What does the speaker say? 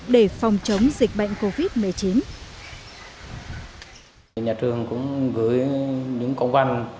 để phòng chống dịch bệnh covid một mươi chín